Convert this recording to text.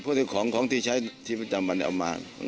พวกของที่ใช้ทีมประจำบันเอามา